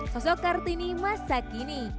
sosok kartini masa kini